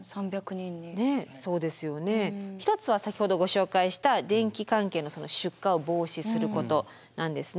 一つは先ほどご紹介した電気関係の出火を防止することなんですね。